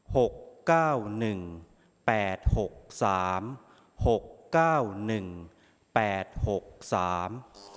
หกเก้าหนึ่งแปดหกสามหกเก้าหนึ่งแปดหกสาม